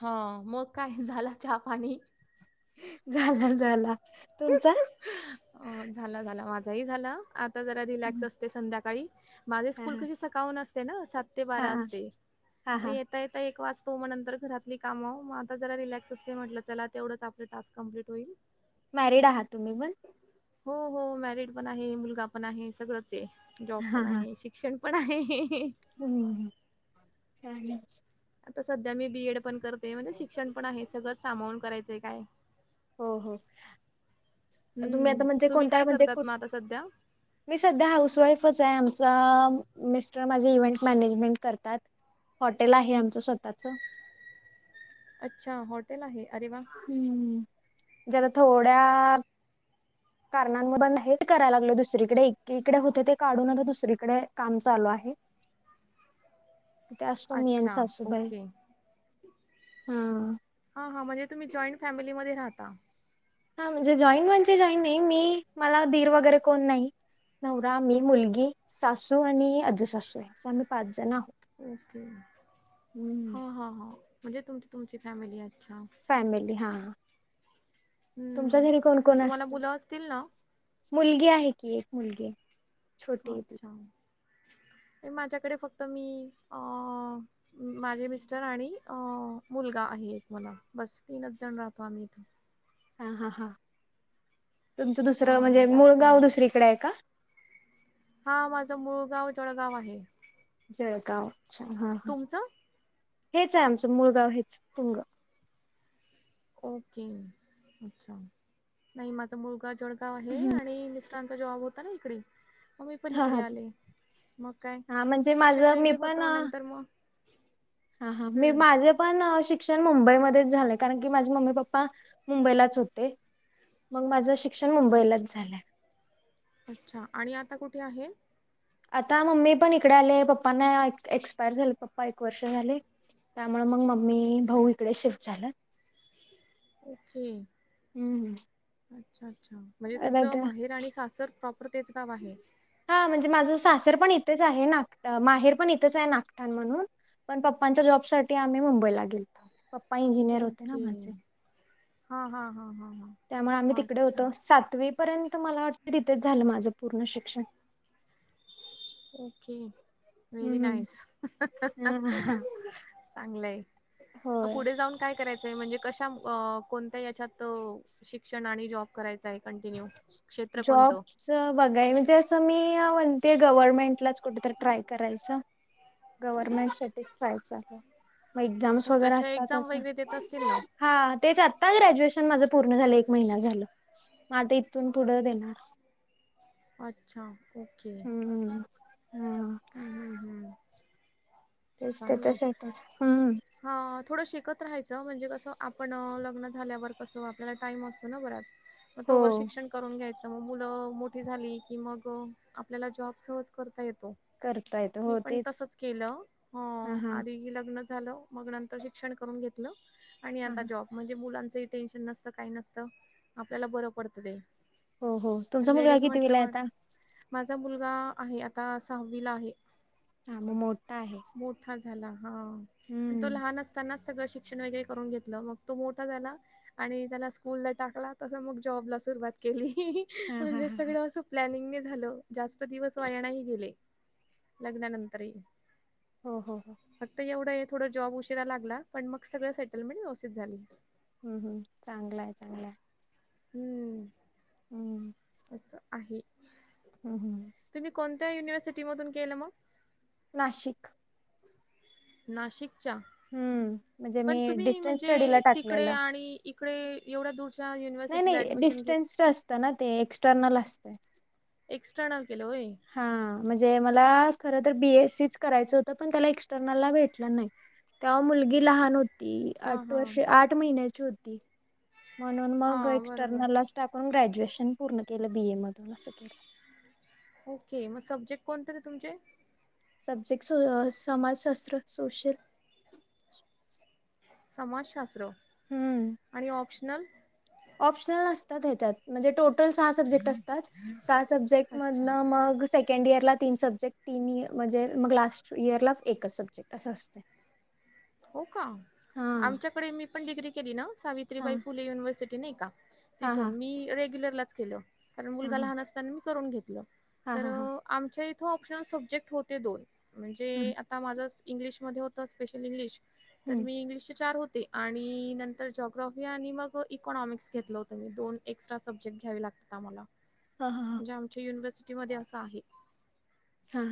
हां मग काय झाला चहा पाणी? झाला झाला तुमचा? अ झाला झाला माझाही झाला, आता जरा रिलॅक्स हा असते संध्याकाळी. माझे हा स्कूल कशी सकाळून असते ना सात ते हा बारा असते हा मग, हा येत ता येता एक वाजतो मग नंतर घरातली कामं मग आता जरा रिलॅक्स असते, म्हटलं चला तेवढंच आपले टास्क कंप्लीट होईल. मॅरिड आहात तुम्ही पण? हो हो मॅरिड पण आहे, मुलगा पण आहे, सगळंच आहे, जॉब हा पण हा आहे शिक क्षण पण आहे. हम्म! छानच! आता सध्या मी बी एड पण करते, म्हणजे शिक्षण पण आहे सगळंच सामावून करायचंय काय. हो हो तुम्ही हं. आता म्हणजे तुम्ही कोणत्या काय म्हणजे करतात कुठ मग आता सध्या? मी सध्या हाऊस वाईफच आहे, आमचा मिस्टर माझे इव्हेंट मॅनेजमेंट करतात. हॉटेल आहे आमचं स्वतःचं. अच्छा, हॉटेल आहे. अरे वा! हम्म, जरा थोड्या कारणानं बंद हेट करायला लागले दुसरीकडे एकीकडे होते ते काढून आता दुसरीकडे काम चालू आहे. [inaudible] इथे असतो मी आणि अच्छा, सासूबाई. ओके. हम्म! हा हां म्हणजे तुम्ही जॉईंट फॅमिलीमध्ये राहता. ह म्हणजे जॉईन म्हणजे जॉईन नाही मी मला दीर वगैरे कोण नाही. नवरा मी मुलगी सासू आणि आजे सासू अस आम्ही पाच जण आहोत. ओके! हम्म. ह ह ह, म्हणजे तुमची तुमची फॅमिली अच्छा! फॅमिली हा, तुमचा हं. घरी कोण मग कोण अस तुम्हाला मुलं असतील ना? मुलगी आहे की एक मुलगी. छोटी आहे ती अच्छा! माझ्याकडे फक्त मी अ माझे मिस्टर आणि अ मुलगा आहे एक मला बस तीनच जण राहतो आम्ही इथून. हां हां हां, तुमचं दुसरं म्हणजे हां, मूळ गाव दुसरीकडे आहे का? हा माझा मुळगाव जळगाव आहे. जळगाव अच्छा हा हा तुमचं? हेच आहे आमचं मूळगाव हेच तुमंग. ओके! अच्छा, नाही माझा मुलगा जळगाव आहे हम्म. आणि मिस क्टरांचा जॉब होता ना इकडे. मग मी पण हा हा इकडे आले मग काय हा म्हणजे शिक्षण माझं मी वगैरे पण होतं नंतर मग हा हा मी हम्म माझे पण शिक शिक्षण मुंबईमध्येच झालंय कारण की माझे मम्मी पप्पा मुंबईलाच होते. मग माझं शिक्षण मुंबईलाच झालंय. अच्छा! आणि आता कुठे आहे. आता मम्मी पण इकडे आले, पप्पाना एक् -एक्सपायर झाले, पप्पा एक वर्ष झाले. त्यामुळे मंग मम्मी, भाऊ इकड शिफ्ट झालं. ओके, हम्म अच्छा-अच्छा. म्हणजे तुमचं माहेर आणि सासर, प्रॉपर तेच गाव आहे? हा म्हणजे माझं सासर पण इथच आहे, नाग माहेर पण इथच आहे नागठाण म्हणून. पण पप्पांच्या जॉब साठी आम्ही मुंबईला गेलतो, पप्पा इंजिनियर होते ना ओके. माझे. हां हां हां हं. त्यामुळे आम्ही तिकड होतो, सातवीपर्यंत मला वाटतं तिथेच झालं माझं पूर्ण शिक्षण. ओके. व्हेरी हम्म नाईस हां हं, ह चांगलंय, म होय. पुढे जाऊन काय करायचंय? म्हणजे कशा म कोणत्या याच्यात? शिक्षण आणि जॉब करायचाय कंटिन्यू? क्षेत्र जॉब कोणतं? चं बघाय म्हणजे अस मी ना, म्हणते गव्हर्नमेंटलाच कुठेतरी ट्राय करायचं. गव्हर्मेंट साठीच ट्राय चालू ये, मग एक्झाम्स वगैरे त्याच्या एक्झाम असतातच ना? वगैरे देत असतील ना? हां, तेच आत्ता ग्रॅज्युएशन माझं पूर्ण झालं, एक महिना झालं, म आता इथून पुढं देणार. अच्छा, ओके. हम्म हम. हम्म हम्म हम्म. तेच, त्याच्यासाठीच हम्म. हं थोडं शिकत राहायचं, म्हणजे कसं आपण लग्न झाल्यावर कसं आपल्याला टाइम असतो ना बराच? म हो तोवर शिक्षण करून घ्यायच मग मुलं मोठी झाली की, मग आपल्याला जॉब सहज करता येतो. करता येत मी हो पण तेच तसच केलं. हो हा हा आधी लग्न झालं, मग नंतर शिक्षण करून घेतलं, आणि हा आता जॉब म्हणजे मुलांचंही टेन्शन नसतं, काही नसतं आपल्याला बरं पडत ते, हो हो तुमचा मुलगा लेडीज म्हटलं कितवीला आहे म आता माझा मुलगा आहे, आता सहावीला आहे हा मग मोठा आहे. मोठा झाला हां, पण तो हम्म. लहान अस तानाच सगळं शिक्षण वगैरे करून घेतलं, मग तो मोठा झाला. आणि त्याला स्कूल ला टाकला, तसा मग जॉबला सुरुवात केली ही ही, हा हा म्हणजे हा सगळं असं प्लॅनिंगनी झालं, जास्त दिवस वाया नही गेले, लग्नानंतरही. हो हो हो. फक्त एवढं ये, थोड जॉब उशीरा लागला, पण मग सगळ सेटलमेंट व्यवस्थित झाली. हम् हम्, चांगलाय चांगलाय. हम्म. हम्म. असं आहे. हम हम. तुम्ही कोणत्या युनिव्हसिटीमधून केलं मग? नाशिक. नाशिकच्या? हम्म म्हणजे पण मी तुम्ही, डिस्टन्स स्टडीला म्हणजे तिकडे टाकलेला. आणि इकडे एवढा दूर नाही नाही डिस्टन्सचे असतं ना ते एक्सटर्नल असतय. एक्स्टर्नल केलं ओय. हा म्हणजे मला खरं तर बी एस सी च करायचं होतं पण त्याला एक्सटर्नलला भेटलं नाही. तेव्हा मुलगी लहान होती हां, आठ हां. वर्ष आठ महिन्याची होती. म्हणून हा मग बरोबर एक्स्टर्नल लाच टाकून ग्रॅज्युएशन पूर्ण केलं बी ए मधून असं केलं. ओके मग सब्जेक्ट कोण तरी तुमचे? सब्जेक्ट शो समाजशास्त्र सोशल. समाजशास्त्र हम्म. आणि ऑप्शनल? ऑप्शनल नसतात हेच्यात म्हणजे टोटल सहा सब्जेक्ट अस तात सहा सब्जेक्ट अच्छा मधनं मग से कंड इयरला तीन सब्जेक्ट तिनिय म्हणजे मग लास्ट इयरला एकच सब्जेक्ट असं असतय. हो का हा आमच्याकडे मी पण डिग्री केली ना हा सावित्रीबाई फुले युनिव्हर्सिटी नाही का हा हा तिथून मी रेग्युलरलाच केलं कारण हा मुलगा हा लहान असताना मी करून घेतलं हा तर हा हा आमच्या इथं ऑप्शनल सब्जेक्ट होते दोन म्हणजे हम्म आता माझं इंग्लिशमध्ये होतं स्पेशल इंग्लिश तर मी हा इंग्लिश चे चार होते. आणि नंतर जॉग्राफी आणि मग इकॉनॉमिक्स घेतलं होतं मी दोन एक्स्ट्रा सब्जेक्ट घ्यावे लाग ता आम्हाला हा हा म्हणजे आमच्या युनिव्हर्सिटी मध्ये असं आहे. हा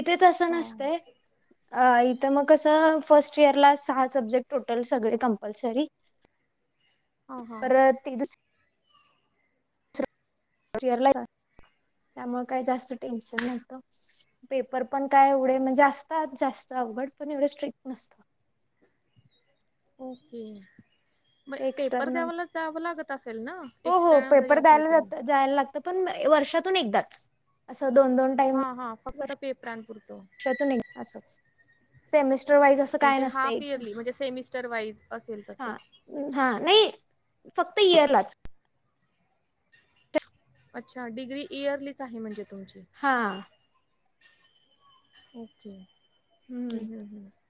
इथे तसं हा नसतंय. अ इथं मग कसं फर्स्ट इयर ला सहा सब्जेक्ट टोटल सगळे कंपल्सरी. हा हा परत ती दुस [unintelligible] आहे त्यामुळे काही जास्त टेन्शन नव्हतं. पेपर पण काय एवढे म्हणजे असतात जास्त अवघड पण एवढे स्ट्रिक्ट नसतं. ओके म ते पेपर एक्स्टर्नलच द्यावाला जावं लागत असेल ना. हो हो एक्स्टर्नल जरी पेपर असले द्यायला तरी जातं जायला लागतं पण वर्षातून एकदाच असं दोन-दोन टाइम हा हा [inaudible] फक्त पेपरांपुरतं वर्षातून एकदाच असच. सेमिस्टर वाईज असं काय नसते.. पीअरली म्हणजे सेमिस्टर वाईज असेल. हा तसं हा नाही फक्त इयरलाच. [unintelligible] अच्छा डिग्री इयरलीच आहे म्हणजे तुमची. हां. ओके. हम्म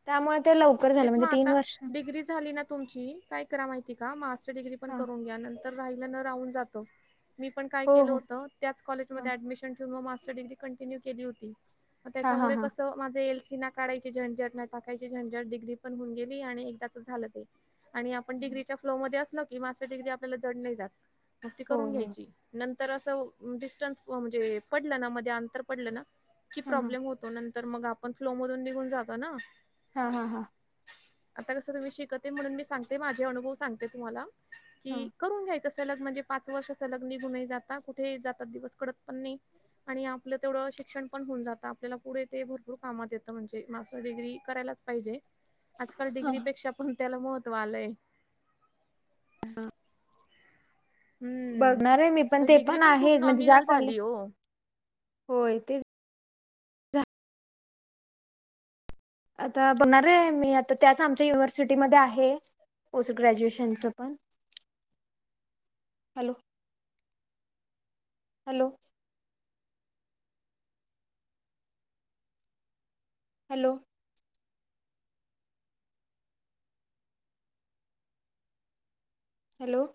त्यामुळे ते लव तेच म आता डिग्री झाली ना तुमची काय करा माहिती का मास्टर डिग्री पण हा करून घ्या नंत तर राहील ना राहून जातं मी पण काय हो केलं हो होतं त्याचं कॉलेज हा मध्ये ऍडमिशन किंवा मास्टर डिग्री कंटिन्यू केली होती हा हा त्याच्यामुळे हा कसं माझे एल सी ना काढायची झंझट, ना टाकायची झंझट डिग्री पण होऊन गेली आणि एकदाचच झालं ते. आणि आपण डग्रीच्या फ्लो मध्ये असलो की मास्टर डिग्री आपल्याला जड नाही जात मग ती हो करून हो घ्यायची नं तर असं डिस्टन्स म्हणजे पडलं ना मध्ये अंतर पडलं ना की हा हा प्रॉब्लेम हो तो नंतर मग आपण फ्लो मधून निघून जातो ना. हा हा हा. आता कसं तुम्ही शिकते म्हणून मी सांगते माझे अनुभव सांगते तुम्हाला हा की करून घ्याय चा सलग म्हणजे पाच वर्ष सलग निघून ही जाता कुठे ही जातात दिवस कडत पण नाही. आणि आपलं तेवढं शिक्षण पण होऊन जातं आपल्याला पुढे ते भरपूर कामात येतं म्हणजे मास्टर डिग्री करायलाच पाहिजे आजकाल हा डिग्रीपेक्षा पण त्याला महत्त्व आलंय. [unintelligible] हम्म बघणार ये मी पण तर ते डिग्री पण खूप आहे म्हणजे ज्या नॉमिनल कॉले झाली हो. होय तेच आता बघणार ये मी आता त्याच आमच्या युनिव्हर्सिटीमध्ये आहे पोस्ट ग्रॅज्युएशनचं पण हॅलो हॅलो हॅलो हॅलो